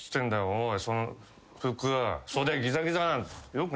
おい！